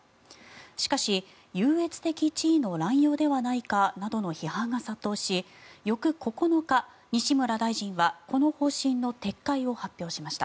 しかし、優越的地位の乱用ではないかなどの批判が殺到し翌９日、西村大臣はこの方針の撤回を発表しました。